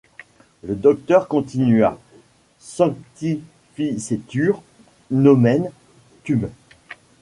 Le docteur continua :— Sanctificetur nomen tuum.